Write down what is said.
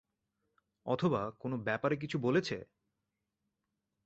অথবা, কোনো ব্যাপারে কিছু বলেছে?